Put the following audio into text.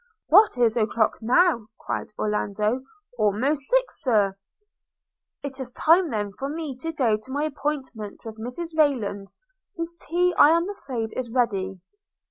'What is it o'clock now?' cried Orlando. 'Almost six, Sir.' 'It is time then for me to go to my appointment with Mrs Rayland, whose tea I am afraid is ready.